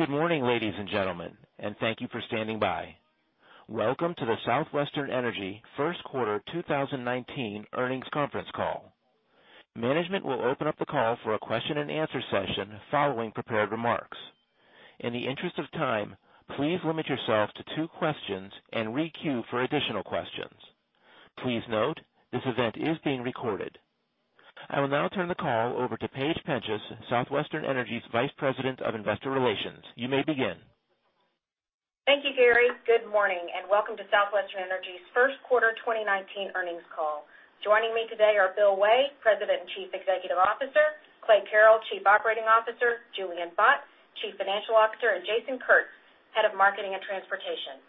Good morning, ladies and gentlemen. Thank you for standing by. Welcome to the Southwestern Energy first quarter 2019 earnings conference call. Management will open up the call for a question and answer session following prepared remarks. In the interest of time, please limit yourself to two questions and re-queue for additional questions. Please note, this event is being recorded. I will now turn the call over to Paige Penchas, Southwestern Energy's Vice President of Investor Relations. You may begin. Thank you, [Gary]. Good morning. Welcome to Southwestern Energy's first quarter 2019 earnings call. Joining me today are Bill Way, President and Chief Executive Officer; Clay Carrell, Chief Operating Officer; Julian Bott, Chief Financial Officer; and Jason Kurtz, Head of Marketing and Transportation.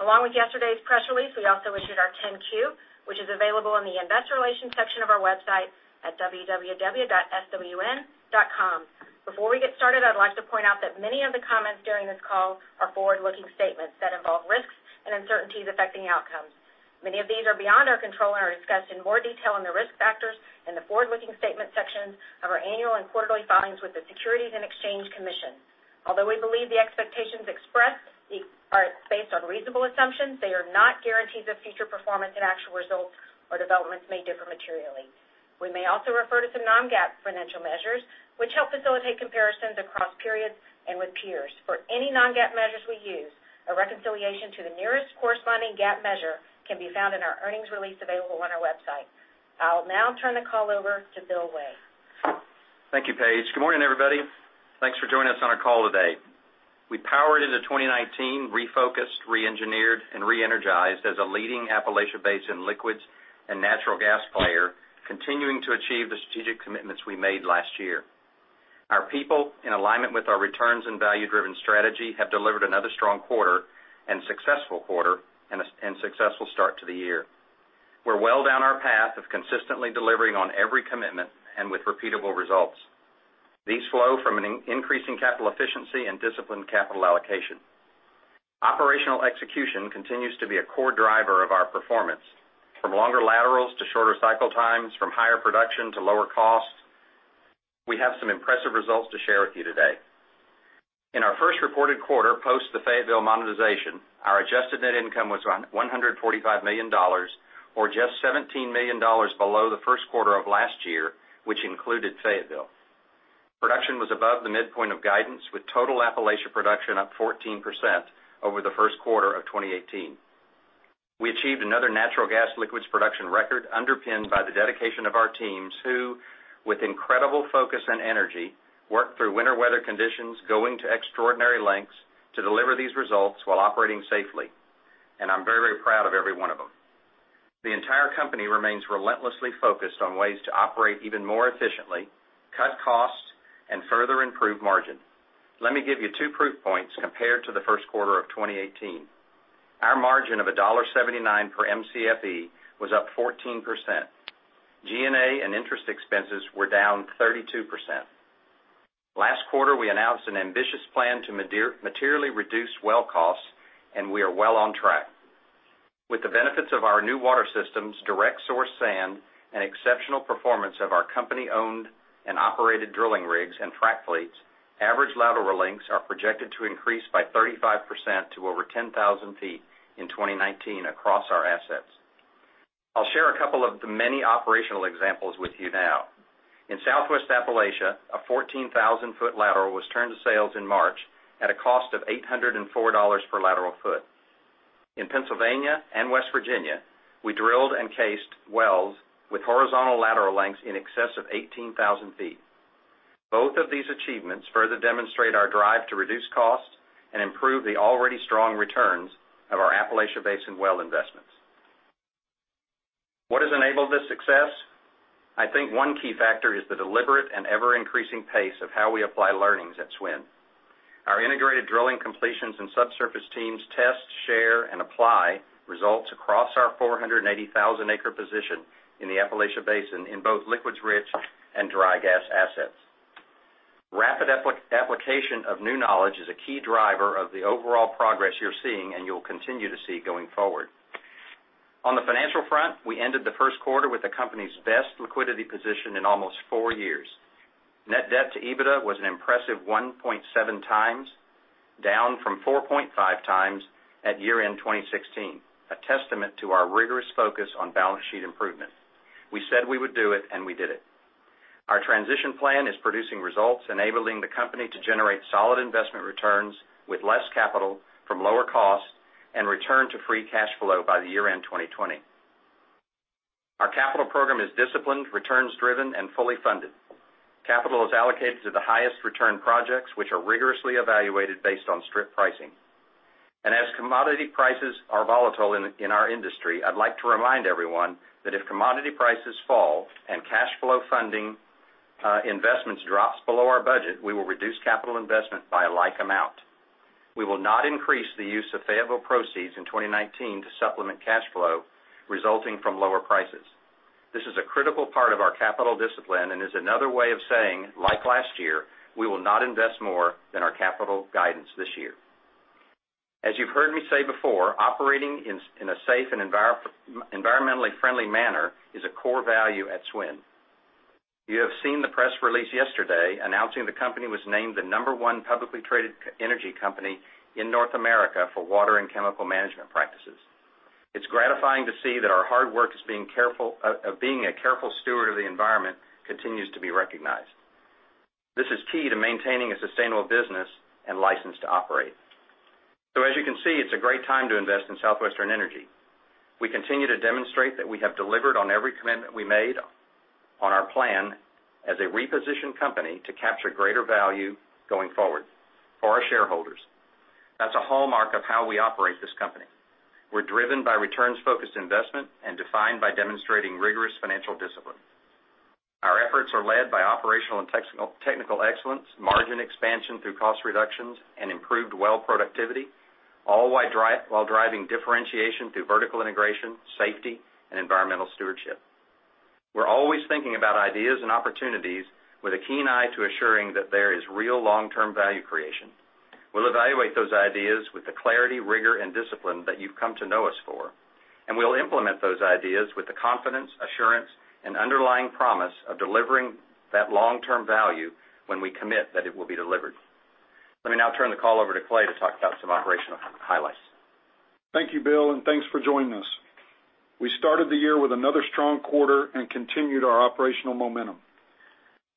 Along with yesterday's press release, we also issued our 10-Q, which is available in the investor relations section of our website at www.swn.com. Before we get started, I'd like to point out that many of the comments during this call are forward-looking statements that involve risks and uncertainties affecting outcomes. Many of these are beyond our control and are discussed in more detail in the risk factors in the forward-looking statement sections of our annual and quarterly filings with the Securities and Exchange Commission. Although we believe the expectations expressed are based on reasonable assumptions, they are not guarantees of future performance, and actual results or developments may differ materially. We may also refer to some non-GAAP financial measures, which help facilitate comparisons across periods and with peers. For any non-GAAP measures we use, a reconciliation to the nearest corresponding GAAP measure can be found in our earnings release available on our website. I'll now turn the call over to Bill Way. Thank you, Paige. Good morning, everybody. Thanks for joining us on our call today. We powered into 2019 refocused, re-engineered, and re-energized as a leading Appalachian Basin liquids and natural gas player, continuing to achieve the strategic commitments we made last year. Our people, in alignment with our returns and value-driven strategy, have delivered another strong quarter and successful quarter and successful start to the year. We're well down our path of consistently delivering on every commitment and with repeatable results. These flow from an increasing capital efficiency and disciplined capital allocation. Operational execution continues to be a core driver of our performance, from longer laterals to shorter cycle times, from higher production to lower costs. We have some impressive results to share with you today. In our first reported quarter post the Fayetteville monetization, our adjusted net income was around $145 million, or just $17 million below the first quarter of last year, which included Fayetteville. Production was above the midpoint of guidance, with total Appalachia production up 14% over the first quarter of 2018. We achieved another natural gas liquids production record underpinned by the dedication of our teams, who, with incredible focus and energy, worked through winter weather conditions, going to extraordinary lengths to deliver these results while operating safely. I'm very proud of every one of them. The entire company remains relentlessly focused on ways to operate even more efficiently, cut costs, and further improve margin. Let me give you two proof points compared to the first quarter of 2018. Our margin of $1.79 per MCFE was up 14%. G&A and interest expenses were down 32%. Last quarter, we announced an ambitious plan to materially reduce well costs, and we are well on track. With the benefits of our new water systems, direct source sand, and exceptional performance of our company-owned and operated drilling rigs and frac fleets, average lateral lengths are projected to increase by 35% to over 10,000 feet in 2019 across our assets. I'll share a couple of the many operational examples with you now. In Southwest Appalachia, a 14,000-foot lateral was turned to sales in March at a cost of $804 per lateral foot. In Pennsylvania and West Virginia, we drilled and cased wells with horizontal lateral lengths in excess of 18,000 feet. Both of these achievements further demonstrate our drive to reduce costs and improve the already strong returns of our Appalachia Basin well investments. What has enabled this success? I think one key factor is the deliberate and ever-increasing pace of how we apply learnings at SWN. Our integrated drilling completions and subsurface teams test, share, and apply results across our 480,000-acre position in the Appalachia Basin in both liquids rich and dry gas assets. Rapid application of new knowledge is a key driver of the overall progress you're seeing and you'll continue to see going forward. On the financial front, we ended the first quarter with the company's best liquidity position in almost four years. Net debt to EBITDA was an impressive 1.7 times, down from 4.5 times at year-end 2016. A testament to our rigorous focus on balance sheet improvement. We said we would do it, and we did it. Our transition plan is producing results, enabling the company to generate solid investment returns with less capital from lower costs and return to free cash flow by the year-end 2020. Our capital program is disciplined, returns-driven, and fully funded. Capital is allocated to the highest return projects, which are rigorously evaluated based on strip pricing. As commodity prices are volatile in our industry, I'd like to remind everyone that if commodity prices fall and cash flow funding investments drops below our budget, we will reduce capital investment by a like amount. We will not increase the use of Fayetteville proceeds in 2019 to supplement cash flow resulting from lower prices. This is a critical part of our capital discipline and is another way of saying, like last year, we will not invest more than our capital guidance this year. As you've heard me say before, operating in a safe and environmentally friendly manner is a core value at SWN. You have seen the press release yesterday announcing the company was named the number one publicly traded energy company in North America for water and chemical management practices. It's gratifying to see that our hard work of being a careful steward of the environment continues to be recognized. This is key to maintaining a sustainable business and license to operate. As you can see, it's a great time to invest in Southwestern Energy. We continue to demonstrate that we have delivered on every commitment we made on our plan as a repositioned company to capture greater value going forward for our shareholders. That's a hallmark of how we operate this company. We're driven by returns-focused investment and defined by demonstrating rigorous financial discipline. Our efforts are led by operational and technical excellence, margin expansion through cost reductions, and improved well productivity, all while driving differentiation through vertical integration, safety, and environmental stewardship. We're always thinking about ideas and opportunities with a keen eye to assuring that there is real long-term value creation. We'll evaluate those ideas with the clarity, rigor, and discipline that you've come to know us for, and we'll implement those ideas with the confidence, assurance, and underlying promise of delivering that long-term value when we commit that it will be delivered. Let me now turn the call over to Clay to talk about some operational highlights. Thank you, Bill, and thanks for joining us. We started the year with another strong quarter and continued our operational momentum.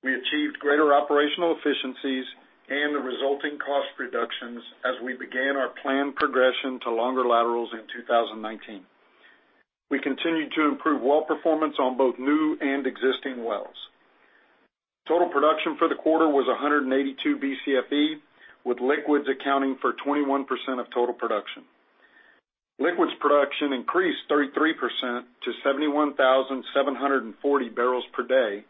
We achieved greater operational efficiencies and the resulting cost reductions as we began our planned progression to longer laterals in 2019. We continued to improve well performance on both new and existing wells. Total production for the quarter was 182 Bcfe, with liquids accounting for 21% of total production. Liquids production increased 33% to 71,740 barrels per day,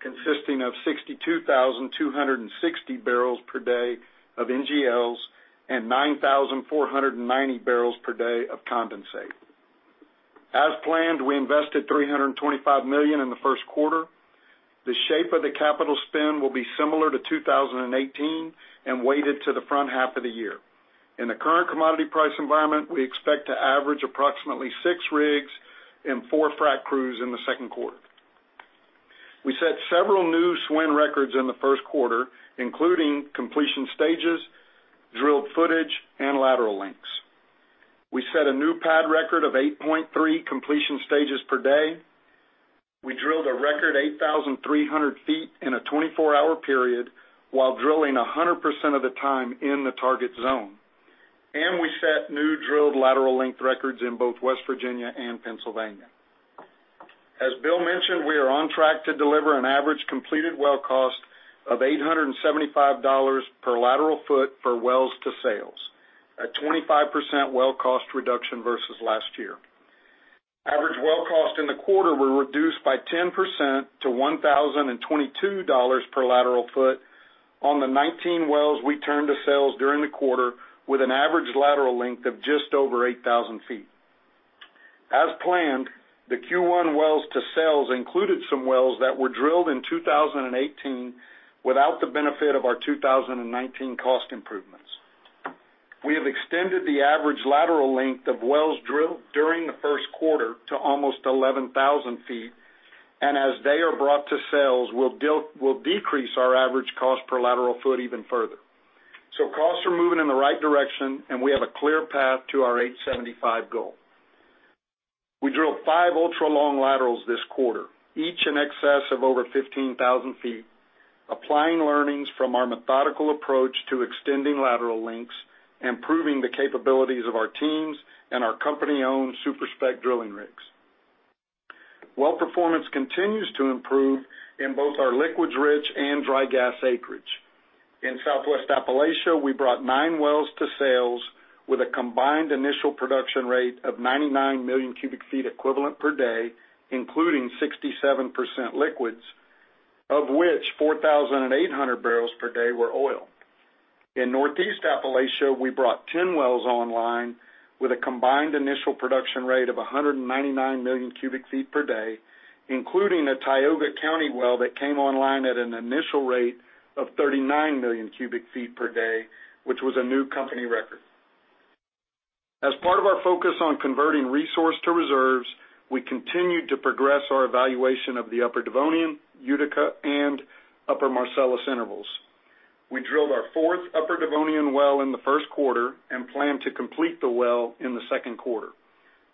consisting of 62,260 barrels per day of NGLs and 9,490 barrels per day of condensate. As planned, we invested $325 million in the first quarter. The shape of the capital spend will be similar to 2018 and weighted to the front half of the year. In the current commodity price environment, we expect to average approximately six rigs and four frac crews in the second quarter. We set several new SWN records in the first quarter, including completion stages, drilled footage, and lateral lengths. We set a new pad record of 8.3 completion stages per day. We drilled a record 8,300 feet in a 24-hour period while drilling 100% of the time in the target zone. We set new drilled lateral length records in both West Virginia and Pennsylvania. As Bill mentioned, we are on track to deliver an average completed well cost of $875 per lateral foot for wells to sales, a 25% well cost reduction versus last year. Average well costs in the quarter were reduced by 10% to $1,022 per lateral foot on the 19 wells we turned to sales during the quarter with an average lateral length of just over 8,000 feet. As planned, the Q1 wells to sales included some wells that were drilled in 2018 without the benefit of our 2019 cost improvements. We have extended the average lateral length of wells drilled during the first quarter to almost 11,000 feet, and as they are brought to sales, we'll decrease our average cost per lateral foot even further. Costs are moving in the right direction, and we have a clear path to our $875 goal. We drilled five ultra long laterals this quarter, each in excess of over 15,000 feet, applying learnings from our methodical approach to extending lateral lengths, improving the capabilities of our teams and our company-owned super spec drilling rigs. Well performance continues to improve in both our liquids rich and dry gas acreage. In Southwest Appalachia, we brought nine wells to sales with a combined initial production rate of 99 million cubic feet equivalent per day, including 67% liquids, of which 4,800 barrels per day were oil. In Northeast Appalachia, we brought 10 wells online with a combined initial production rate of 199 million cubic feet per day, including a Tioga County well that came online at an initial rate of 39 million cubic feet per day, which was a new company record. As part of our focus on converting resource to reserves, we continued to progress our evaluation of the Upper Devonian, Utica, and Upper Marcellus intervals. We drilled our fourth Upper Devonian well in the first quarter and plan to complete the well in the second quarter.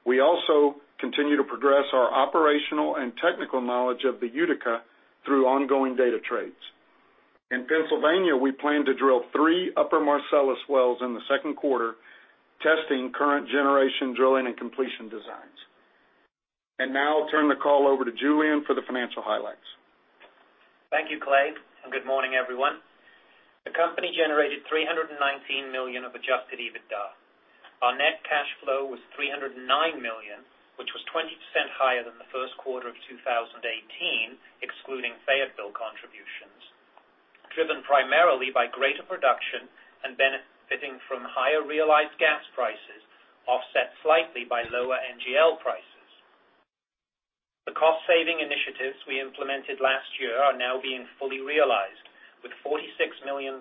We also continue to progress our operational and technical knowledge of the Utica through ongoing data trades. In Pennsylvania, we plan to drill three Upper Marcellus wells in the second quarter, testing current generation drilling and completion designs. Now I'll turn the call over to Julian for the financial highlights. Thank you, Clay, and good morning, everyone. The company generated $319 million of adjusted EBITDA. Our net cash flow was $309 million, which was 20% higher than the first quarter of 2018, excluding Fayetteville contributions, driven primarily by greater production and benefiting from higher realized gas prices, offset slightly by lower NGL prices. The cost-saving initiatives we implemented last year are now being fully realized, with $46 million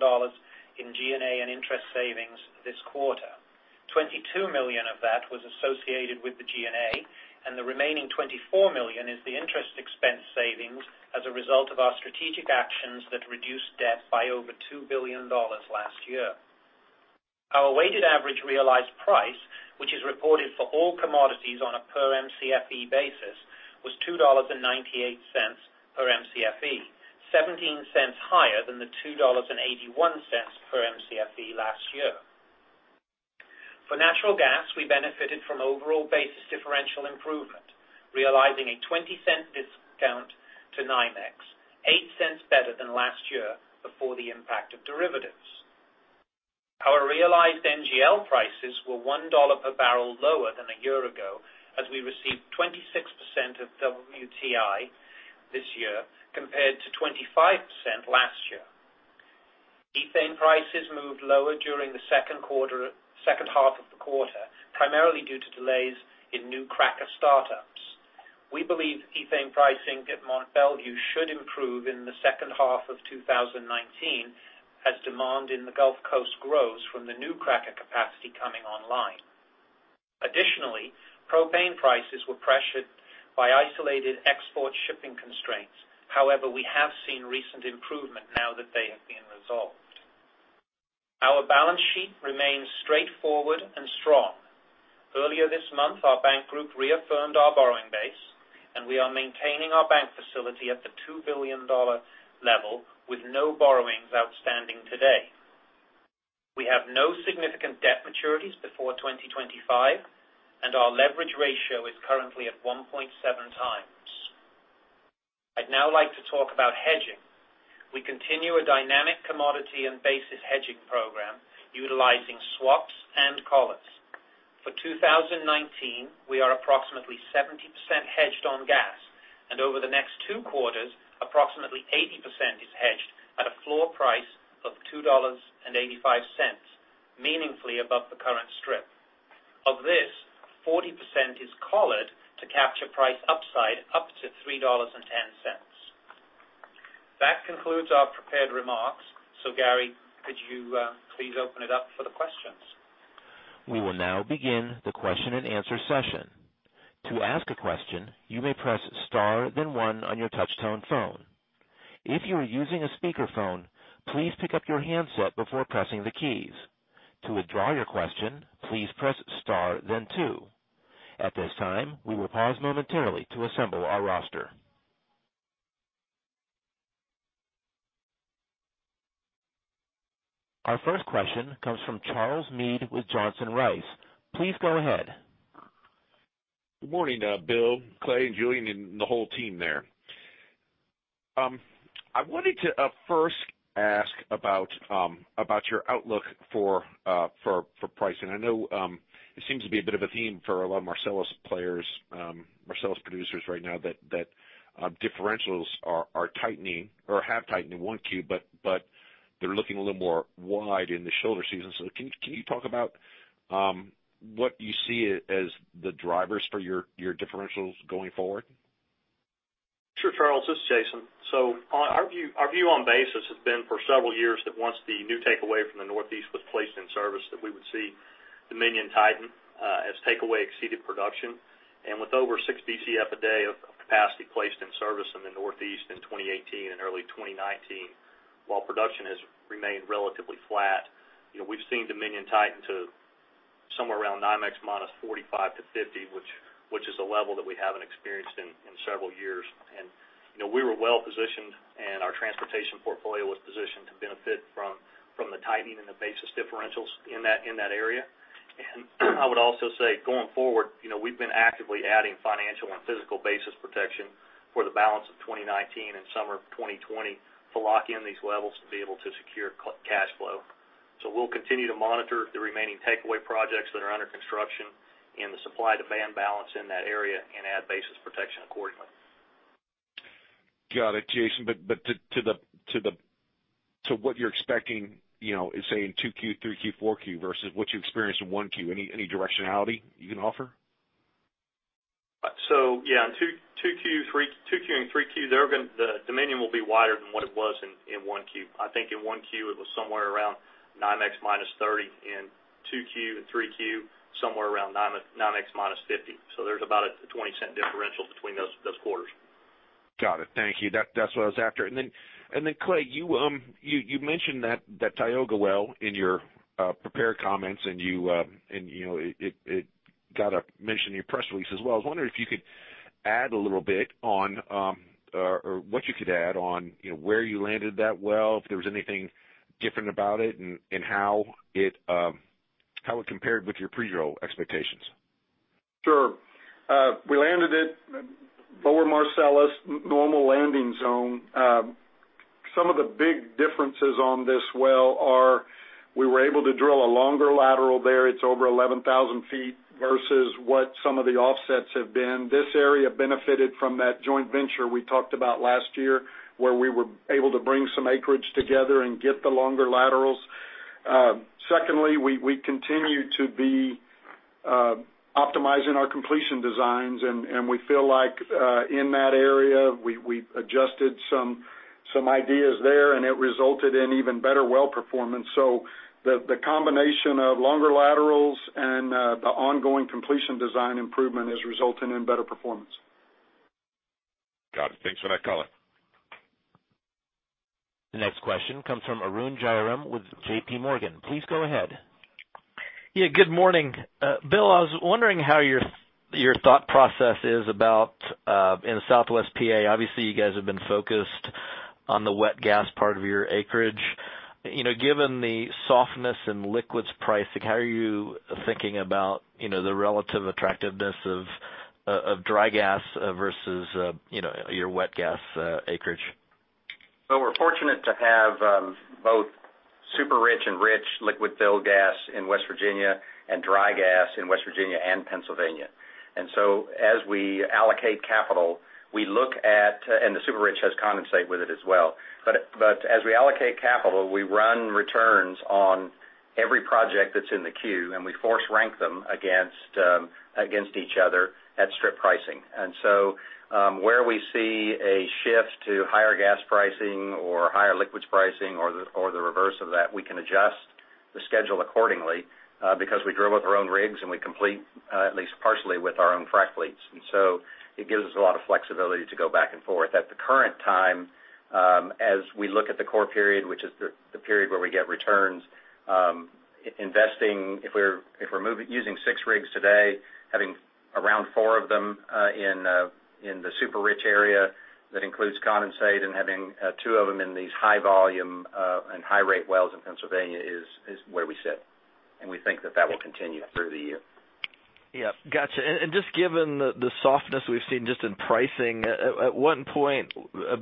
in G&A and interest savings this quarter. $22 million of that was associated with the G&A, and the remaining $24 million is the interest expense savings as a result of our strategic actions that reduced debt by over $2 billion last year. Our weighted average realized price, which is reported for all commodities on a per Mcfe basis, was $2.98 per Mcfe, $0.17 higher than the $2.81 per Mcfe last year. For natural gas, we benefited from overall basis differential improvement, realizing a $0.20 discount to NYMEX, $0.08 better than last year before the impact of derivatives. Our realized NGL prices were $1 per barrel lower than a year ago, as we received 26% of WTI this year compared to 25% last year. Ethane prices moved lower during the second half of the quarter, primarily due to delays in new cracker startups. We believe ethane pricing at Mont Belvieu should improve in the second half of 2019 as demand in the Gulf Coast grows from the new cracker capacity coming online. Propane prices were pressured by isolated export shipping constraints. We have seen recent improvement now that they have been resolved. Our balance sheet remains straightforward and strong. Earlier this month, our bank group reaffirmed our borrowing base. We are maintaining our bank facility at the $2 billion level with no borrowings outstanding today. We have no significant debt maturities before 2025. Our leverage ratio is currently at 1.7 times. I'd now like to talk about hedging. We continue a dynamic commodity and basis hedging program utilizing swaps and collars. For 2019, we are approximately 70% hedged on gas. Over the next 2 quarters, approximately 80% is hedged at a floor price of $2.85, meaningfully above the current strip. Of this, 40% is collared to capture price upside up to $3.10. That concludes our prepared remarks. Gary, could you please open it up for the questions? We will now begin the question and answer session. To ask a question, you may press star then 1 on your touch tone phone. If you are using a speakerphone, please pick up your handset before pressing the keys. To withdraw your question, please press star then 2. At this time, we will pause momentarily to assemble our roster. Our first question comes from Charles Meade with Johnson Rice. Please go ahead. Good morning, Bill, Clay, and Julian, and the whole team there. I wanted to first ask about your outlook for pricing. I know it seems to be a bit of a theme for a lot of Marcellus players, Marcellus producers right now that differentials are tightening or have tightened in 1Q, but they're looking a little more wide in the shoulder season. Can you talk about what you see as the drivers for your differentials going forward? Sure, Charles, this is Jason. Our view on basis has been for several years that once the new takeaway from the Northeast was placed in service, that we would see Dominion Energy tighten as takeaway exceeded production. With over 6 Bcf a day of capacity placed in service in the Northeast in 2018 and early 2019, while production has remained relatively flat. We've seen Dominion Energy tighten to somewhere around NYMEX minus $0.45 to $0.50, which is a level that we haven't experienced in several years. We were well-positioned, and our transportation portfolio was positioned to benefit from the tightening in the basis differentials in that area. I would also say going forward, we've been actively adding financial and physical basis protection for the balance of 2019 and summer of 2020 to lock in these levels to be able to secure cash flow. We'll continue to monitor the remaining takeaway projects that are under construction and the supply-demand balance in that area and add basis protection accordingly. Got it, Jason. To what you're expecting, is saying 2Q, 3Q, 4Q versus what you experienced in 1Q. Any directionality you can offer? Yeah, 2Q and 3Q, the Dominion will be wider than what it was in 1Q. I think in 1Q, it was somewhere around NYMEX minus $0.30. In 2Q and 3Q, somewhere around NYMEX minus $0.50. There's about a $0.20 differential between those quarters. Got it. Thank you. That's what I was after. Clay, you mentioned that Tioga well in your prepared comments, and it got a mention in your press release as well. I was wondering if you could add a little bit on, or what you could add on where you landed that well, if there was anything different about it, and how it compared with your pre-drill expectations. Sure. We landed at Lower Marcellus normal landing zone. Some of the big differences on this well are we were able to drill a longer lateral there. It's over 11,000 feet versus what some of the offsets have been. This area benefited from that joint venture we talked about last year, where we were able to bring some acreage together and get the longer laterals. Secondly, we continue to be optimizing our completion designs, we feel like in that area, we've adjusted some ideas there, it resulted in even better well performance. The combination of longer laterals and the ongoing completion design improvement is resulting in better performance. Got it. Thanks for that color. The next question comes from Arun Jayaram with JPMorgan. Please go ahead. Yeah, good morning. Bill, I was wondering how your thought process is about in Southwest P.A., obviously, you guys have been focused on the wet gas part of your acreage. Given the softness in liquids pricing, how are you thinking about the relative attractiveness of dry gas versus your wet gas acreage? We're fortunate to have both super rich and rich liquid fill gas in West Virginia and dry gas in West Virginia and Pennsylvania. As we allocate capital, the super rich has condensate with it as well. As we allocate capital, we run returns on every project that's in the queue, and we force rank them against each other at strip pricing. Where we see a shift to higher gas pricing or higher liquids pricing or the reverse of that, we can adjust the schedule accordingly, because we drill with our own rigs, and we complete at least partially with our own frac fleets. It gives us a lot of flexibility to go back and forth. At the current time, as we look at the core period, which is the period where we get returns, investing, if we're using six rigs today, having around four of them in the super rich area, that includes condensate and having two of them in these high volume and high rate wells in Pennsylvania is where we sit. We think that that will continue through the year. Yeah. Got you. Just given the softness we've seen just in pricing, at what point,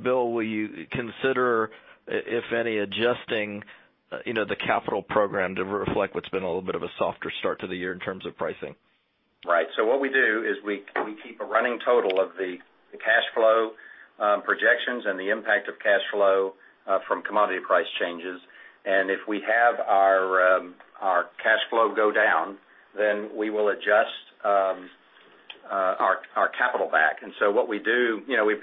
Bill, will you consider, if any, adjusting the capital program to reflect what's been a little bit of a softer start to the year in terms of pricing? Right. What we do is we keep a running total of the cash flow projections and the impact of cash flow from commodity price changes. If we have our cash flow go down, then we will adjust our capital back. What we do, we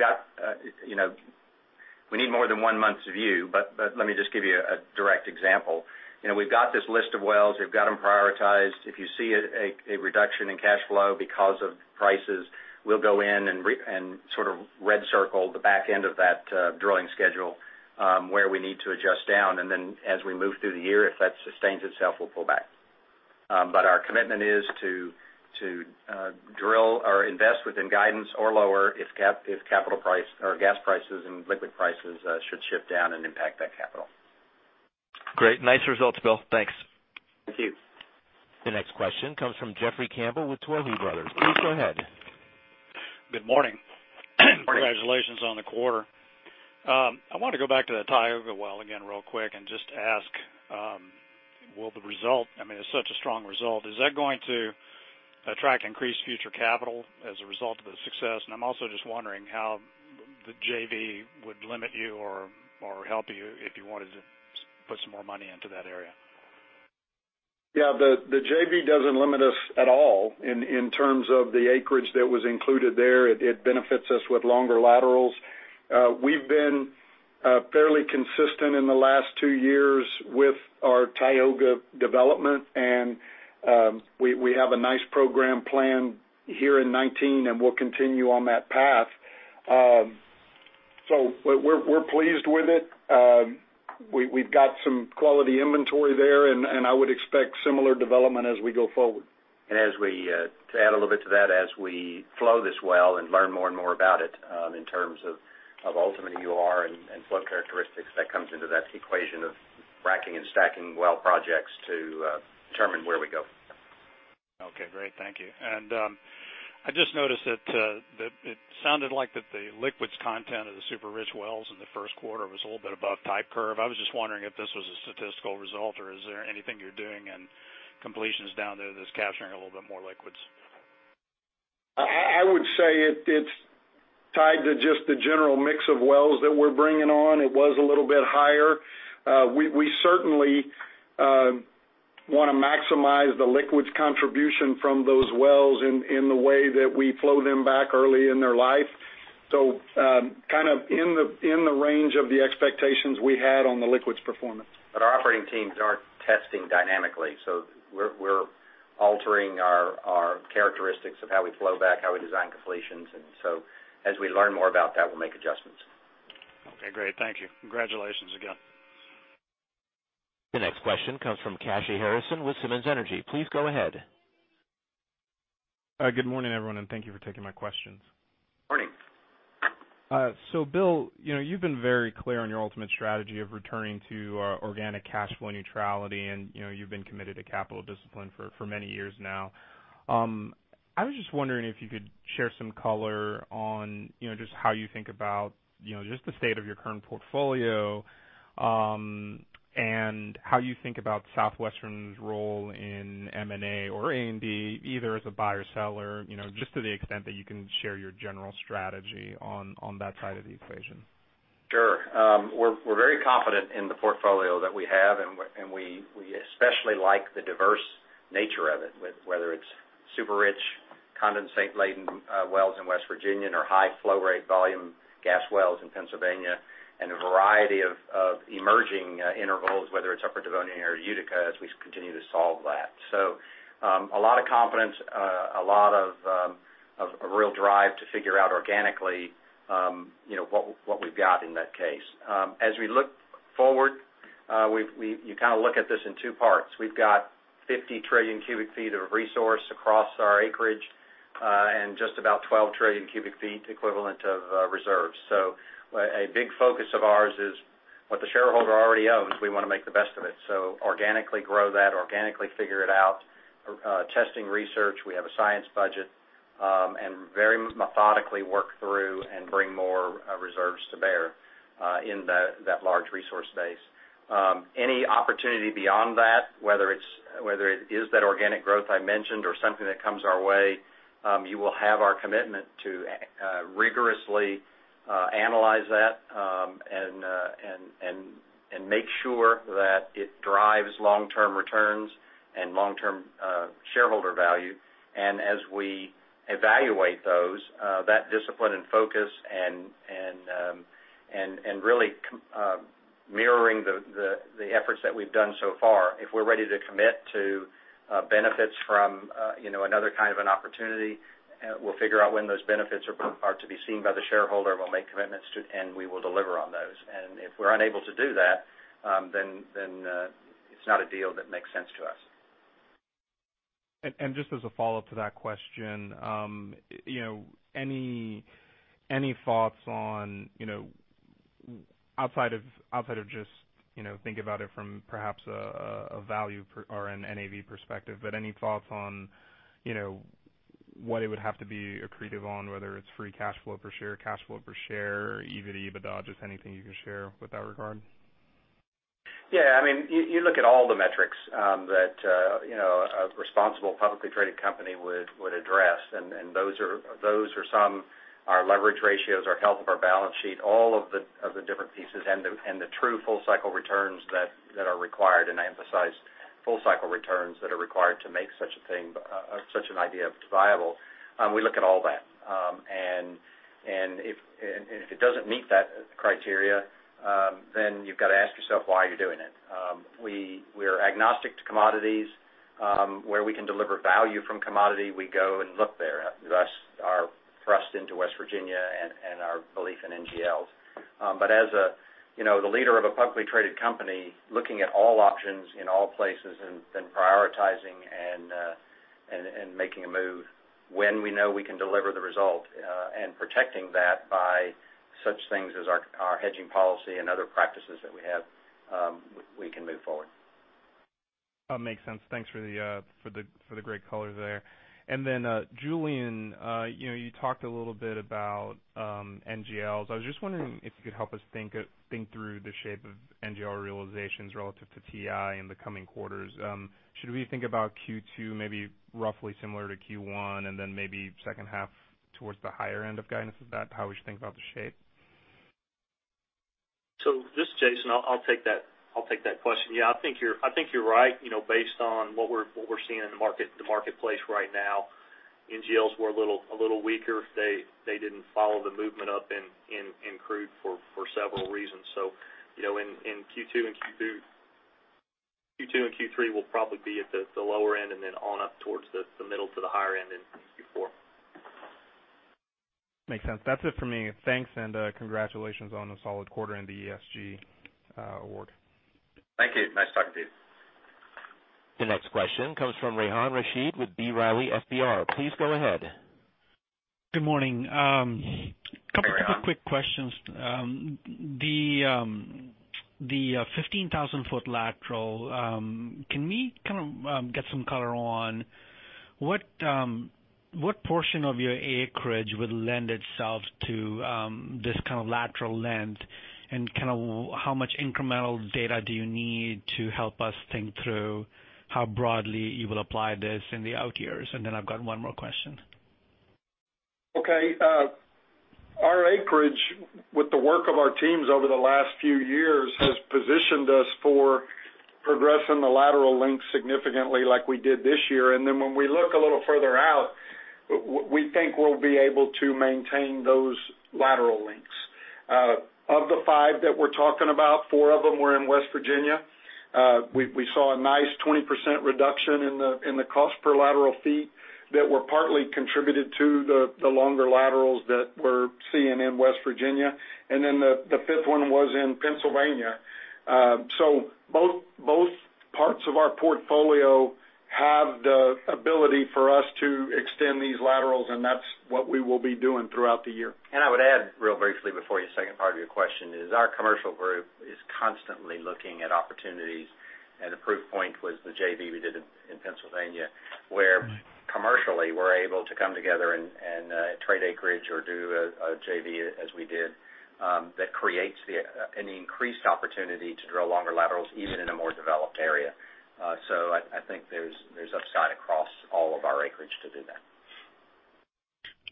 need more than one month's view, but let me just give you a direct example. We've got this list of wells. We've got them prioritized. If you see a reduction in cash flow because of prices, we'll go in and sort of red circle the back end of that drilling schedule, where we need to adjust down. Then as we move through the year, if that sustains itself, we'll pull back. Our commitment is to drill or invest within guidance or lower if gas prices and liquid prices should shift down and impact that capital. Great. Nice results, Bill. Thanks. Thank you. The next question comes from Jeffrey Campbell with Tuohy Brothers. Please go ahead. Good morning. Morning. Congratulations on the quarter. I want to go back to that Tioga well again real quick and just ask, will the result, I mean, it's such a strong result, is that going to attract increased future capital as a result of the success? I'm also just wondering how the JV would limit you or help you if you wanted to put some more money into that area. Yeah, the JV doesn't limit us at all in terms of the acreage that was included there. It benefits us with longer laterals. We've been fairly consistent in the last two years with our Tioga development. We have a nice program planned here in 2019, and we'll continue on that path. We're pleased with it. We've got some quality inventory there, and I would expect similar development as we go forward. To add a little bit to that, as we flow this well and learn more and more about it in terms of ultimate EUR and flow characteristics that comes into that equation of fracking and stacking well projects to determine where we go. Okay, great. Thank you. I just noticed that it sounded like that the liquids content of the super-rich wells in the first quarter was a little bit above type curve. I was just wondering if this was a statistical result, or is there anything you're doing in completions down there that's capturing a little bit more liquids? I would say it's tied to just the general mix of wells that we're bringing on. It was a little bit higher. We certainly want to maximize the liquids contribution from those wells in the way that we flow them back early in their life. Kind of in the range of the expectations we had on the liquids performance. Our operating teams are testing dynamically. We're altering our characteristics of how we flow back, how we design completions, and so as we learn more about that, we'll make adjustments. Okay, great. Thank you. Congratulations again. The next question comes from Kashy Harrison with Simmons & Company. Please go ahead. Good morning, everyone, and thank you for taking my questions. Morning. Bill, you've been very clear on your ultimate strategy of returning to organic cash flow neutrality, and you've been committed to capital discipline for many years now. I was just wondering if you could share some color on just how you think about just the state of your current portfolio, and how you think about Southwestern's role in M&A or A&D, either as a buyer or seller, just to the extent that you can share your general strategy on that side of the equation. Sure. We're very confident in the portfolio that we have, and we especially like the diverse nature of it, whether it's super rich, condensate-laden wells in West Virginia and our high flow rate volume gas wells in Pennsylvania, and a variety of emerging intervals, whether it's Upper Devonian or Utica, as we continue to solve that. A lot of confidence, a lot of a real drive to figure out organically what we've got in that case. As we look forward, you look at this in two parts. We've got 50 trillion cubic feet of resource across our acreage, and just about 12 trillion cubic feet equivalent of reserves. A big focus of ours is what the shareholder already owns, we want to make the best of it. organically grow that, organically figure it out, testing research. We have a science budget, and very methodically work through and bring more reserves to bear in that large resource base. Any opportunity beyond that, whether it is that organic growth I mentioned or something that comes our way, you will have our commitment to rigorously analyze that, and make sure that it drives long-term returns and long-term shareholder value. As we evaluate those, that discipline and focus and really mirroring the efforts that we've done so far, if we're ready to commit to benefits from another kind of an opportunity, we'll figure out when those benefits are to be seen by the shareholder. We'll make commitments to, and we will deliver on those. If we're unable to do that, then it's not a deal that makes sense to us. Just as a follow-up to that question, any thoughts on outside of just think about it from perhaps a value or an NAV perspective, but any thoughts on what it would have to be accretive on, whether it's free cash flow per share, cash flow per share, EBIT, EBITDA, just anything you can share with that regard? Yeah. You look at all the metrics that a responsible publicly traded company would address, and those are some, our leverage ratios, our health of our balance sheet, all of the different pieces, and the true full-cycle returns that are required, and I emphasize full-cycle returns that are required to make such an idea viable. We look at all that. If it doesn't meet that criteria, you've got to ask yourself why you're doing it. We are agnostic to commodities. Where we can deliver value from commodity, we go and look there. Thus, our thrust into West Virginia and our belief in NGLs. As the leader of a publicly traded company, looking at all options in all places and then prioritizing and making a move when we know we can deliver the result, and protecting that by such things as our hedging policy and other practices that we have, we can move forward. Makes sense. Thanks for the great color there. Then, Julian, you talked a little bit about NGLs. I was just wondering if you could help us think through the shape of NGL realizations relative to WTI in the coming quarters. Should we think about Q2 maybe roughly similar to Q1, then maybe second half towards the higher end of guidance? Is that how we should think about the shape? This is Jason. I'll take that question. Yeah, I think you're right. Based on what we're seeing in the marketplace right now, NGLs were a little weaker. They didn't follow the movement up in crude for several reasons. In Q2 and Q3 will probably be at the lower end then on up towards the middle to the higher end in Q4. Makes sense. That's it for me. Thanks. Congratulations on the solid quarter and the ESG award. Thank you. Nice talking to you. The next question comes from Rehan Rashid with B. Riley FBR. Please go ahead. Good morning. Hey, Rehan. Couple of quick questions. The 15,000-foot lateral, can we get some color on what portion of your acreage would lend itself to this kind of lateral length, and how much incremental data do you need to help us think through how broadly you will apply this in the out years? I've got one more question. Okay. Our acreage, with the work of our teams over the last few years, has positioned us for progressing the lateral length significantly like we did this year. When we look a little further out, we think we'll be able to maintain those lateral lengths. Of the five that we're talking about, four of them were in West Virginia. We saw a nice 20% reduction in the cost per lateral feet that were partly contributed to the longer laterals that we're seeing in West Virginia. The fifth one was in Pennsylvania. Both parts of our portfolio have the ability for us to extend these laterals, and that's what we will be doing throughout the year. I would add real briefly before your second part of your question is our commercial group is constantly looking at opportunities, and the proof point was the JV we did in Pennsylvania, where commercially, we're able to come together and trade acreage or do a JV as we did. That creates an increased opportunity to drill longer laterals even in a more developed area. I think there's upside across all of our acreage to do that.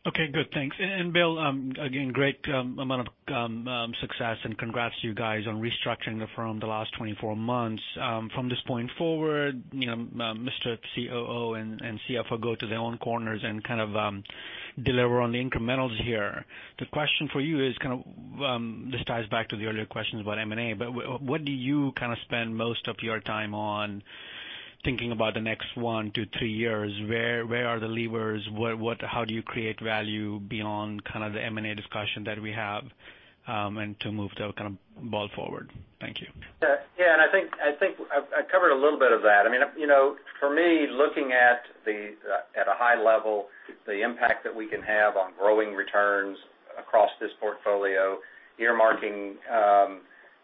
Okay, good. Thanks. Bill, again, great amount of success, and congrats to you guys on restructuring the firm the last 24 months. From this point forward, Mr. COO and CFO go to their own corners and deliver on the incrementals here. The question for you is, this ties back to the earlier questions about M&A, what do you spend most of your time on thinking about the next one to three years? Where are the levers? How do you create value beyond the M&A discussion that we have, and to move the ball forward? Thank you. I think I covered a little bit of that. For me, looking at a high level, the impact that we can have on growing returns across this portfolio, earmarking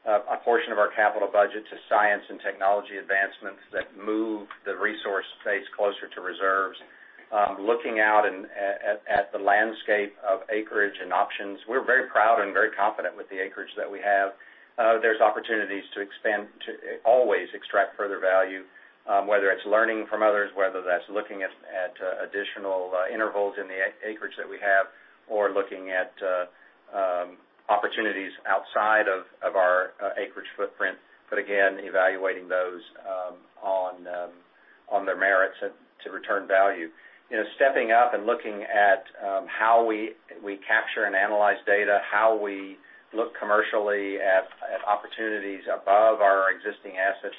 a portion of our capital budget to science and technology advancements that move the resource space closer to reserves. Looking out at the landscape of acreage and options, we're very proud and very confident with the acreage that we have. There's opportunities to always extract further value, whether it's learning from others, whether that's looking at additional intervals in the acreage that we have or looking at opportunities outside of our acreage footprint. Again, evaluating those on their merits to return value. Stepping up and looking at how we capture and analyze data, how we look commercially at opportunities above our existing assets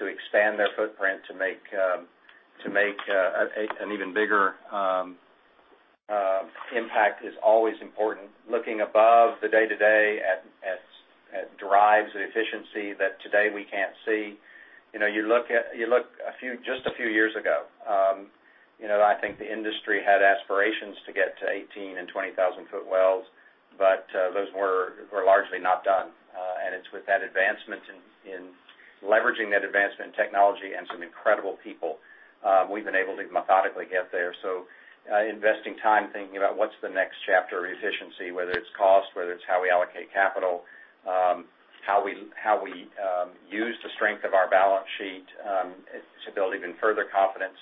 to expand their footprint to make an even bigger impact is always important. Looking above the day-to-day drives the efficiency that today we can't see. You look just a few years ago, I think the industry had aspirations to get to 18 and 20,000 foot wells, those were largely not done. It's with that advancement in leveraging that advancement in technology and some incredible people, we've been able to methodically get there. Investing time thinking about what's the next chapter of efficiency, whether it's cost, whether it's how we allocate capital, how we use the strength of our balance sheet to build even further confidence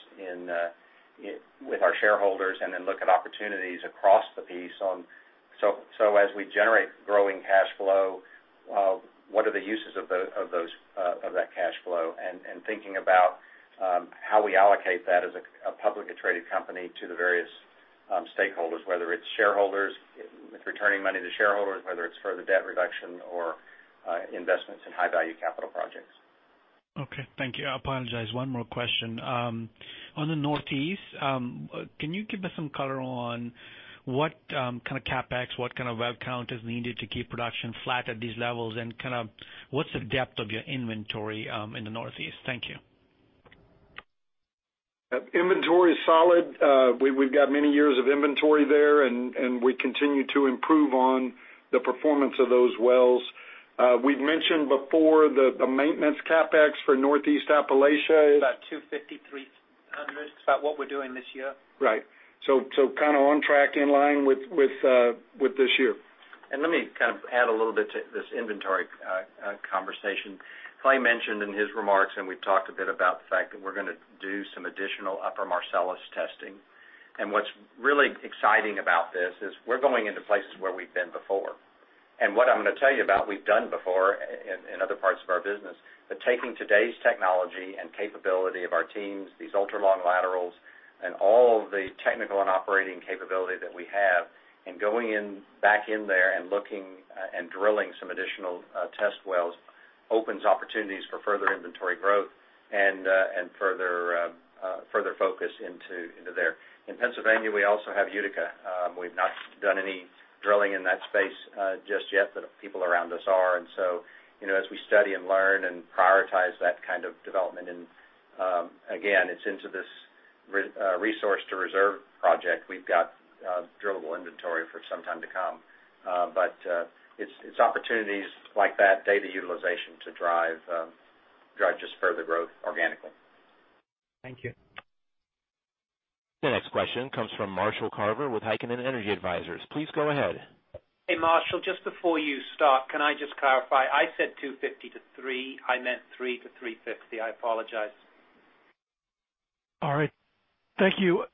with our shareholders, then look at opportunities across the piece. As we generate growing cash flow, what are the uses of that cash flow? Thinking about how we allocate that as a publicly traded company to the various stakeholders, whether it's shareholders, returning money to shareholders, whether it's further debt reduction or investments in high value capital projects. Thank you. I apologize, one more question. On the Northeast, can you give us some color on what kind of CapEx, what kind of well count is needed to keep production flat at these levels? What's the depth of your inventory in the Northeast? Thank you. Inventory is solid. We've got many years of inventory there, and we continue to improve on the performance of those wells. We've mentioned before the maintenance CapEx for Northeast Appalachia is- About $250 million-$300 million. It's about what we're doing this year. Right. On track in line with this year. Let me add a little bit to this inventory conversation. Clay mentioned in his remarks, and we've talked a bit about the fact that we're going to do some additional Upper Marcellus testing. What's really exciting about this is we're going into places where we've been before. What I'm going to tell you about, we've done before in other parts of our business. Taking today's technology and capability of our teams, these ultra-long laterals, and all of the technical and operating capability that we have, and going back in there and looking and drilling some additional test wells opens opportunities for further inventory growth and further focus into there. In Pennsylvania, we also have Utica. We've not done any drilling in that space just yet, but people around us are. As we study and learn and prioritize that kind of development, and again, it's into this resource to reserve project. We've got drillable inventory for some time to come. It's opportunities like that data utilization to drive just further growth organically. Thank you. The next question comes from Marshall Carver with Heikkinen Energy Advisors. Please go ahead. Hey, Marshall, just before you start, can I just clarify? I said 250-3. I meant 3-350. I apologize. All right. Thank you.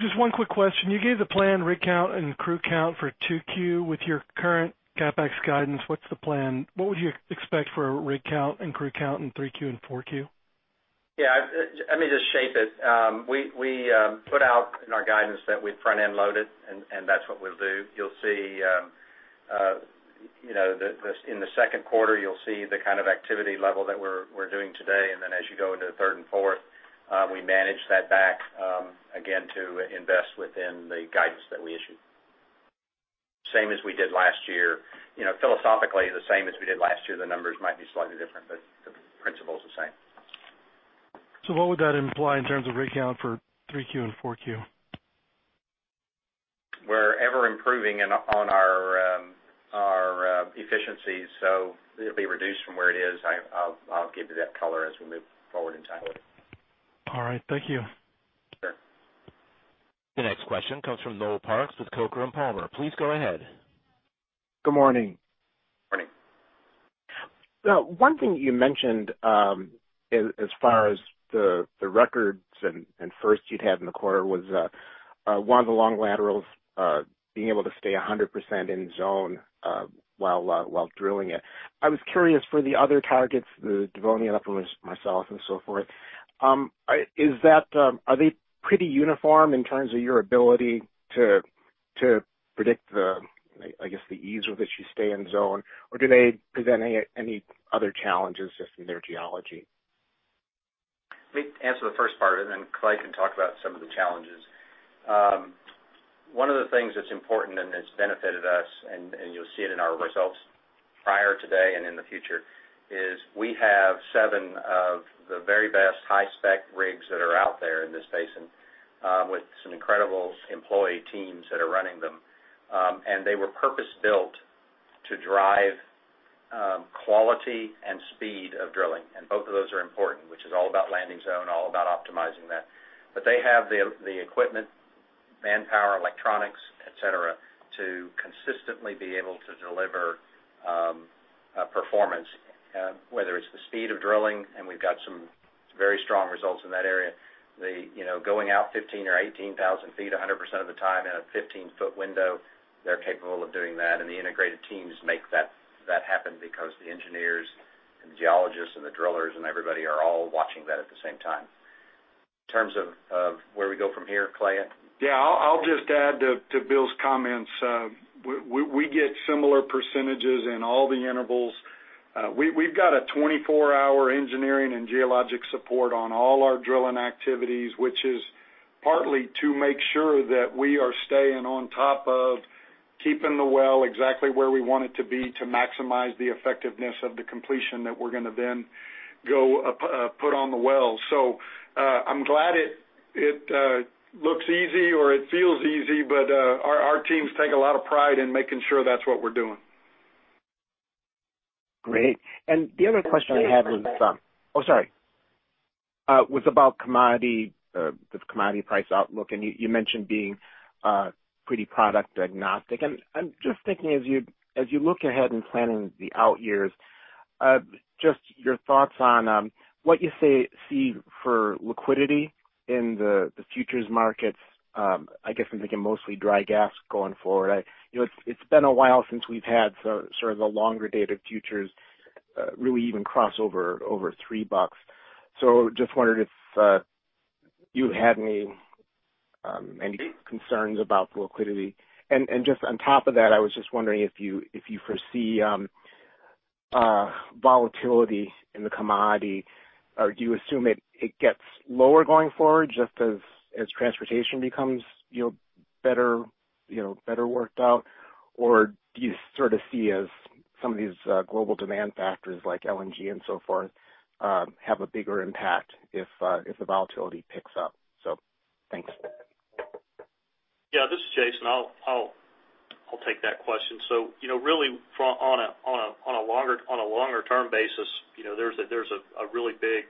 Just one quick question. You gave the plan rig count and crew count for 2Q. With your current CapEx guidance, what's the plan? What would you expect for a rig count and crew count in 3Q and 4Q? Yeah. Let me just shape it. We put out in our guidance that we've front-end loaded. That's what we'll do. In the second quarter, you'll see the kind of activity level that we're doing today. Then as you go into the third and fourth, we manage that back again to invest within the guidance that we issued. Same as we did last year. Philosophically, the same as we did last year. The numbers might be slightly different. The principle is the same. What would that imply in terms of rig count for 3Q and 4Q? We're ever improving on our efficiencies, it'll be reduced from where it is. I'll give you that color as we move forward in time. All right. Thank you. Sure. The next question comes from Noel Parks with Coker & Palmer. Please go ahead. Good morning. One thing you mentioned as far as the records and firsts you'd had in the quarter was one of the long laterals being able to stay 100% in zone while drilling it. I was curious for the other targets, the Devonian Upper Marcellus and so forth. Are they pretty uniform in terms of your ability to predict the ease with which you stay in zone, or do they present any other challenges just in their geology? Let me answer the first part, then Clay can talk about some of the challenges. One of the things that's important, and it's benefited us, and you'll see it in our results prior today and in the future, is we have 7 of the very best high-spec rigs that are out there in this basin with some incredible employee teams that are running them. They were purpose-built to drive quality and speed of drilling. Both of those are important, which is all about landing zone, all about optimizing that. They have the equipment, manpower, electronics, et cetera, to consistently be able to deliver performance, whether it's the speed of drilling, and we've got some very strong results in that area. Going out 15 or 18,000 feet 100% of the time in a 15-foot window, they're capable of doing that. The integrated teams make that happen because the engineers and the geologists and the drillers and everybody are all watching that at the same time. In terms of where we go from here, Clay? Yeah, I'll just add to Bill's comments. We get similar percentages in all the intervals. We've got a 24-hour engineering and geologic support on all our drilling activities, which is partly to make sure that we are staying on top of keeping the well exactly where we want it to be to maximize the effectiveness of the completion that we're going to then go put on the well. I'm glad it looks easy or it feels easy, but our teams take a lot of pride in making sure that's what we're doing. Great. The other question I had was about commodity, the commodity price outlook, and you mentioned being pretty product agnostic. I'm just thinking as you look ahead in planning the out years, just your thoughts on what you see for liquidity in the futures markets. I guess I'm thinking mostly dry gas going forward. It's been a while since we've had sort of the longer dated futures really even cross over $3. Just wondered if you had any concerns about the liquidity. Just on top of that, I was just wondering if you foresee volatility in the commodity, or do you assume it gets lower going forward just as transportation becomes better worked out? Or do you sort of see as some of these global demand factors like LNG and so forth have a bigger impact if the volatility picks up? Thanks. This is Jason. I'll take that question. Really on a longer term basis, there's a really big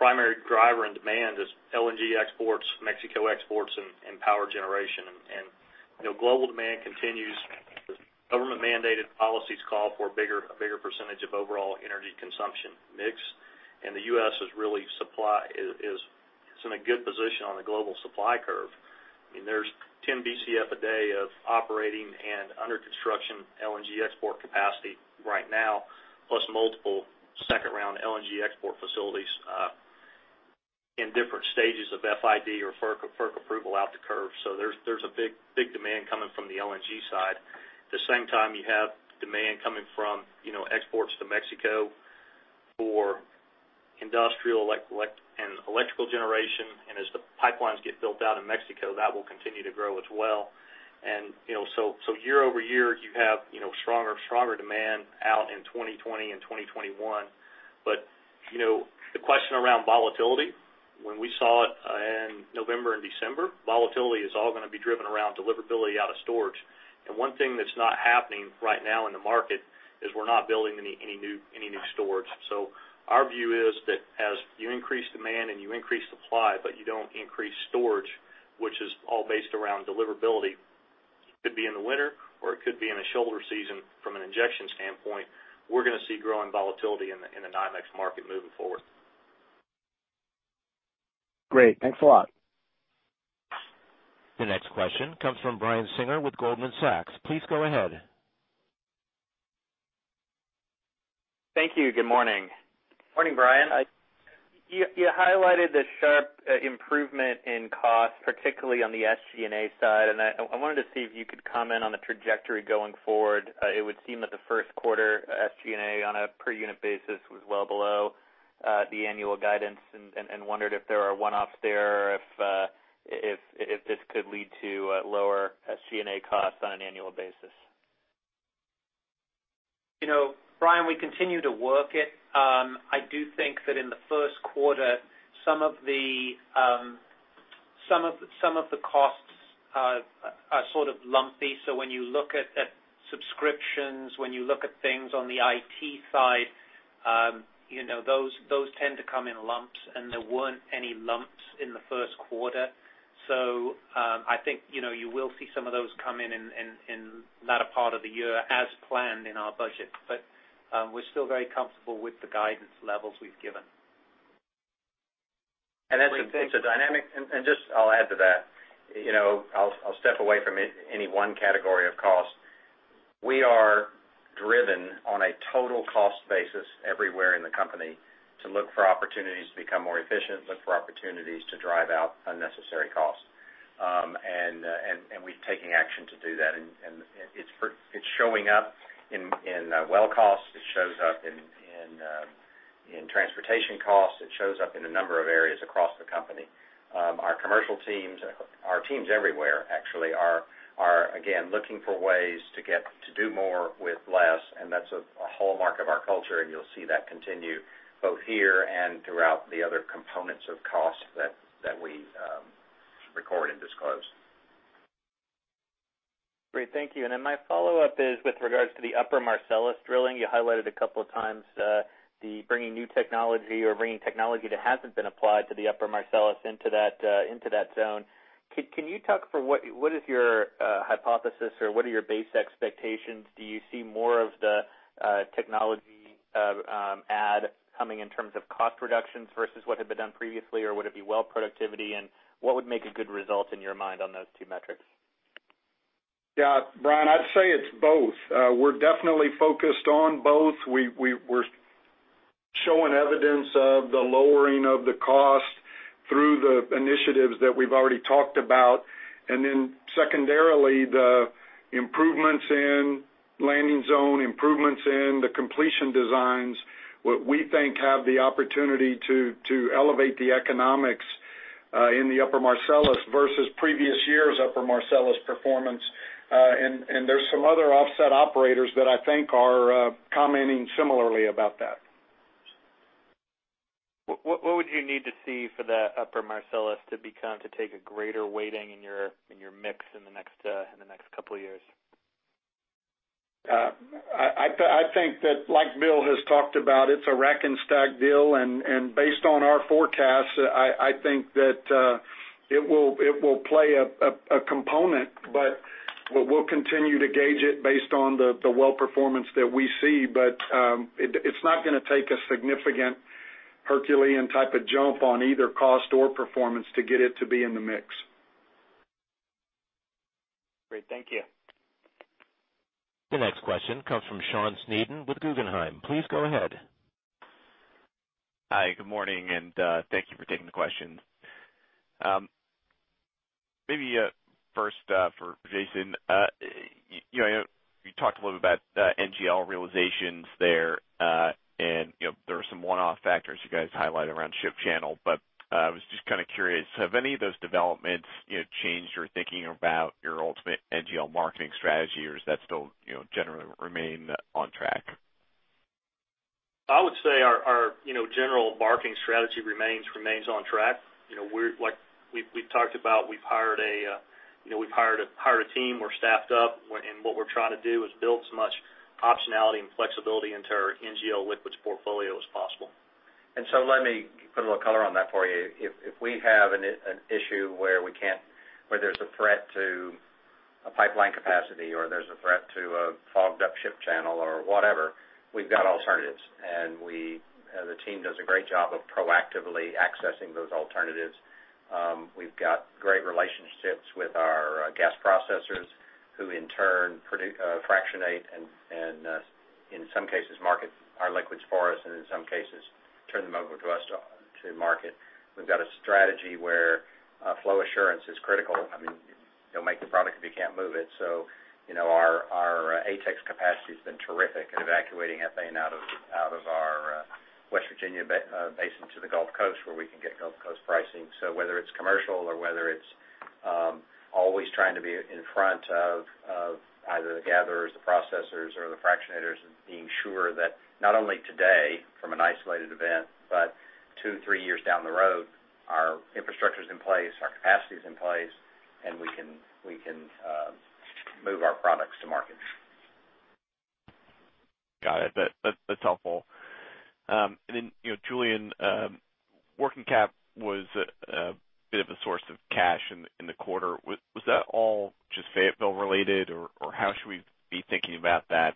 primary driver in demand is LNG exports, Mexico exports, and power generation. Global demand continues as government-mandated policies call for a bigger percentage of overall energy consumption mix. The U.S. is really in a good position on the global supply curve. There's 10 Bcf a day of operating and under construction LNG export capacity right now, plus multiple second-round LNG export facilities in different stages of FID or FERC approval out the curve. There's a big demand coming from the LNG side. At the same time, you have demand coming from exports to Mexico for industrial and electrical generation. As the pipelines get built out in Mexico, that will continue to grow as well. Year over year, you have stronger demand out in 2020 and 2021. The question around volatility, when we saw it in November and December, volatility is all going to be driven around deliverability out of storage. One thing that's not happening right now in the market is we're not building any new storage. Our view is that as you increase demand and you increase supply, but you don't increase storage, which is all based around deliverability, it could be in the winter, or it could be in a shoulder season from an injection standpoint, we're going to see growing volatility in the NYMEX market moving forward. Great. Thanks a lot. The next question comes from Brian Singer with Goldman Sachs. Please go ahead. Thank you. Good morning. Morning, Brian. You highlighted the sharp improvement in cost, particularly on the SG&A side, and I wanted to see if you could comment on the trajectory going forward. It would seem that the first quarter SG&A on a per unit basis was well below the annual guidance and wondered if there are one-offs there or if this could lead to lower SG&A costs on an annual basis. Brian, we continue to work it. I do think that in the first quarter, some of the costs are sort of lumpy. When you look at subscriptions, when you look at things on the IT side, those tend to come in lumps, and there weren't any lumps in the first quarter. I think you will see some of those come in that part of the year as planned in our budget. We're still very comfortable with the guidance levels we've given. That's a dynamic. I'll add to that. I'll step away from any one category of cost. We are driven on a total cost basis everywhere in the company to look for opportunities to become more efficient, look for opportunities to drive out unnecessary costs. We're taking action to do that, and it's showing up in well costs. It shows up in transportation costs. It shows up in a number of areas across the company. Our commercial teams, our teams everywhere actually are, again, looking for ways to do more with less, and that's a hallmark of our culture, and you'll see that continue both here and throughout the other components of cost that we record and disclose. Great. Thank you. Then my follow-up is with regards to the Upper Marcellus drilling. You highlighted a couple of times, the bringing new technology or bringing technology that hasn't been applied to the Upper Marcellus into that zone. Can you talk, what is your hypothesis or what are your base expectations? Do you see more of the technology add coming in terms of cost reductions versus what had been done previously or would it be well productivity? And what would make a good result in your mind on those two metrics? Yeah. Brian, I'd say it's both. We're definitely focused on both. We're showing evidence of the lowering of the cost through the initiatives that we've already talked about. Secondarily, the improvements in landing zone, improvements in the completion designs, what we think have the opportunity to elevate the economics in the Upper Marcellus versus previous years' Upper Marcellus performance. There's some other offset operators that I think are commenting similarly about that. What would you need to see for the Upper Marcellus to take a greater weighting in your mix in the next couple of years? I think that like Bill has talked about, it's a rack and stack deal, based on our forecast, I think that it will play a component, we'll continue to gauge it based on the well performance that we see. It's not going to take a significant Herculean type of jump on either cost or performance to get it to be in the mix. Great. Thank you. The next question comes from Subash Chandra with Guggenheim. Please go ahead. Hi, good morning, and thank you for taking the questions. Maybe first for Jason, you talked a little bit about NGL realizations there. There were some one-off factors you guys highlighted around Ship Channel, I was just kind of curious, have any of those developments changed your thinking about your ultimate NGL marketing strategy, or does that still generally remain on track? I would say our general marketing strategy remains on track. We've talked about we've hired a team. We're staffed up, and what we're trying to do is build as much optionality and flexibility into our NGL liquids portfolio as possible. Let me put a little color on that for you. If we have an issue where there's a threat to a pipeline capacity or there's a threat to a fogged up Ship Channel or whatever, we've got alternatives, and the team does a great job of proactively accessing those alternatives. We've got great relationships with our gas processors, who in turn fractionate and in some cases market our liquids for us, and in some cases turn them over to us to market. We've got a strategy where flow assurance is critical. I mean, you don't make the product if you can't move it. Our ATEX capacity has been terrific in evacuating ethane out of our West Virginia basin to the Gulf Coast, where we can get Gulf Coast pricing. Whether it's commercial or whether it's always trying to be in front of either the gatherers, the processors, or the fractionators, and being sure that not only today from an isolated event, but two, three years down the road, our infrastructure's in place, our capacity is in place, and we can move our products to market. Got it. That's helpful. Julian, working cap was a bit of a source of cash in the quarter. Was that all just Fayetteville related, or how should we be thinking about that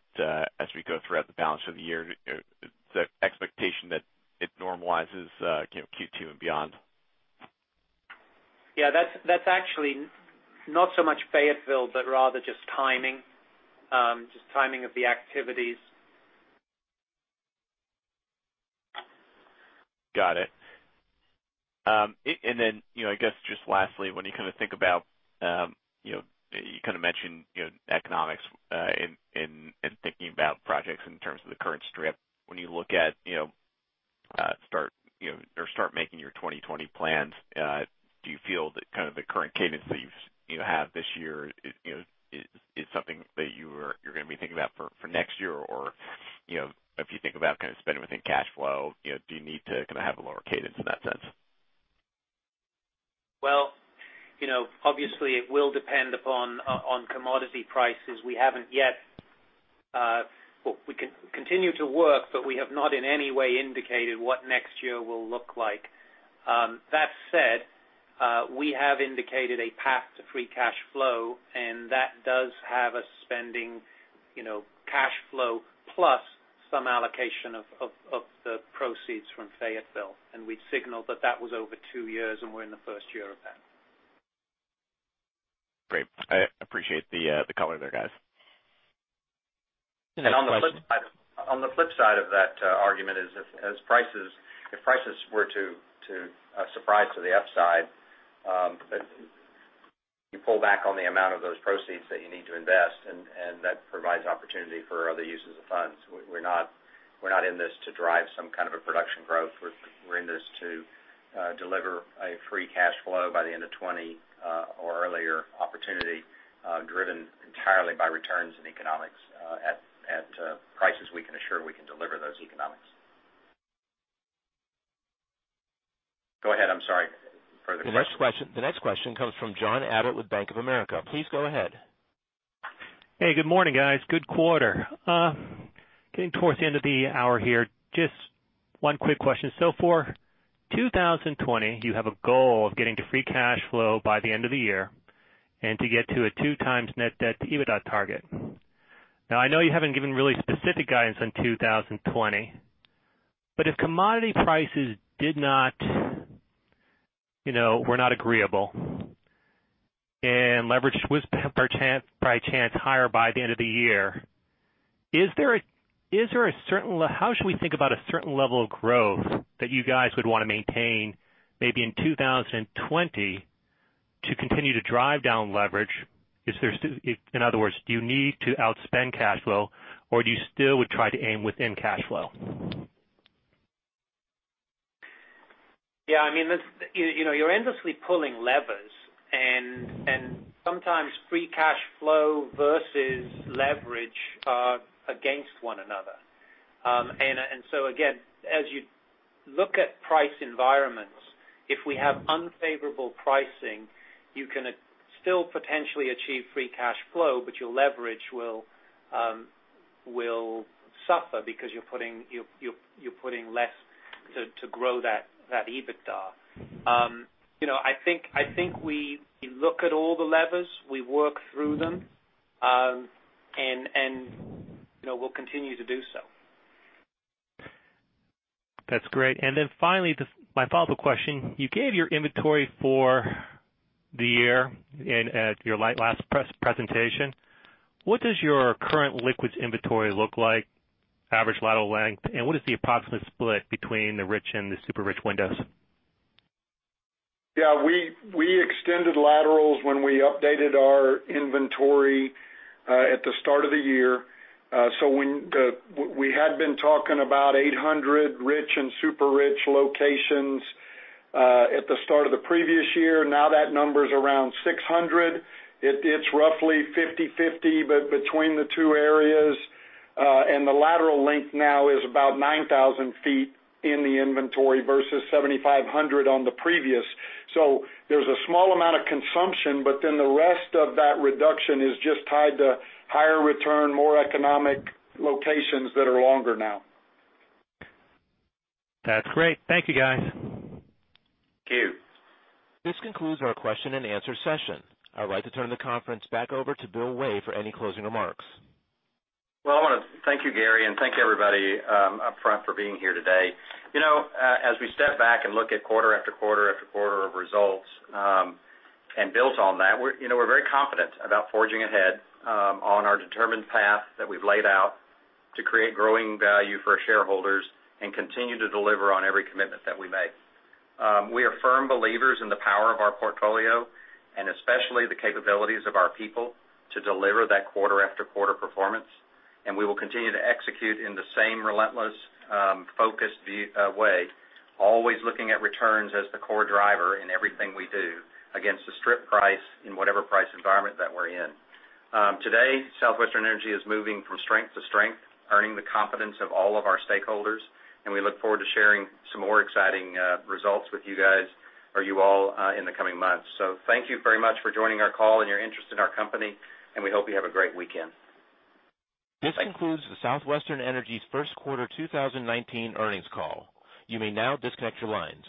as we go throughout the balance of the year? Is the expectation that it normalizes Q2 and beyond? Yeah, that's actually not so much Fayetteville, but rather just timing of the activities. Got it. I guess just lastly, when you think about You kind of mentioned economics in thinking about projects in terms of the current strip. When you look at or start making your 2020 plans, do you feel that the current cadence that you have this year is something that you're going to be thinking about for next year? If you think about spending within cash flow, do you need to have a lower cadence in that sense? Well, obviously, it will depend upon commodity prices. We haven't yetContinue to work, but we have not in any way indicated what next year will look like. That said, we have indicated a path to free cash flow, and that does have us spending cash flow plus some allocation of the proceeds from Fayetteville. We've signaled that that was over two years, and we're in the first year of that. Great. I appreciate the color there, guys. The next question- On the flip side of that argument is if prices were to surprise to the upside, you pull back on the amount of those proceeds that you need to invest, and that provides opportunity for other uses of funds. We're not in this to drive some kind of a production growth. We're in this to deliver a free cash flow by the end of 2020 or earlier opportunity, driven entirely by returns and economics at prices we can assure we can deliver those economics. Go ahead, I'm sorry. Further questions. The next question comes from John Abbott with Bank of America. Please go ahead. Good morning, guys. Good quarter. Getting towards the end of the hour here, just one quick question. For 2020, you have a goal of getting to free cash flow by the end of the year and to get to a 2 times net debt to EBITDA target. I know you haven't given really specific guidance on 2020, but if commodity prices were not agreeable and leverage was by chance higher by the end of the year, how should we think about a certain level of growth that you guys would want to maintain, maybe in 2020 to continue to drive down leverage? In other words, do you need to outspend cash flow, or do you still would try to aim within cash flow? Yeah. You're endlessly pulling levers, sometimes free cash flow versus leverage are against one another. Again, as you look at price environments, if we have unfavorable pricing, you can still potentially achieve free cash flow, but your leverage will suffer because you're putting less to grow that EBITDA. I think we look at all the levers. We work through them, and we'll continue to do so. That's great. Finally, my follow-up question. You gave your inventory for the year at your last presentation. What does your current liquids inventory look like, average lateral length, and what is the approximate split between the rich and the super-rich windows? Yeah, we extended laterals when we updated our inventory at the start of the year. We had been talking about 800 rich and super-rich locations at the start of the previous year. That number is around 600. It's roughly 50/50 between the two areas. The lateral length now is about 9,000 feet in the inventory versus 7,500 on the previous. There's a small amount of consumption, the rest of that reduction is just tied to higher return, more economic locations that are longer now. That's great. Thank you, guys. Thank you. This concludes our question and answer session. I would like to turn the conference back over to Bill Way for any closing remarks. Well, I want to thank you, Gary, and thank everybody up front for being here today. As we step back and look at quarter after quarter after quarter of results, and builds on that, we're very confident about forging ahead on our determined path that we've laid out to create growing value for our shareholders and continue to deliver on every commitment that we make. We are firm believers in the power of our portfolio, and especially the capabilities of our people to deliver that quarter after quarter performance. We will continue to execute in the same relentless, focused way, always looking at returns as the core driver in everything we do against the strip price in whatever price environment that we're in. Today, Southwestern Energy is moving from strength to strength, earning the confidence of all of our stakeholders, and we look forward to sharing some more exciting results with you guys or you all in the coming months. Thank you very much for joining our call and your interest in our company, and we hope you have a great weekend. This concludes the Southwestern Energy's first quarter 2019 earnings call. You may now disconnect your lines.